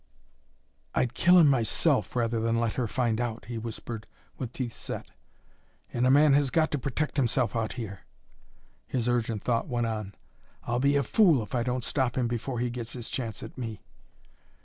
"I'd kill him myself, rather than let her find out," he whispered, with teeth set. "And a man has got to protect himself out here!" his urgent thought went on. "I'll be a fool if I don't stop him before he gets his chance at me!"